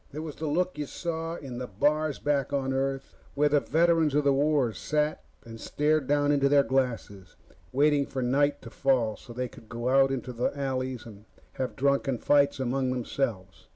It was the look you saw in the bars back on Earth, where the veterans of the war sat and stared down into their glasses, waiting for night to fall so they could go out into the alleys and have drunken fights among themselves.